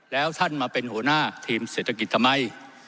แล้วท่านมาเป็นหัวหน้าทีมเศรษฐกิจทำไม